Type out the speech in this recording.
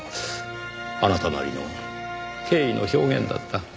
あなたなりの敬意の表現だった。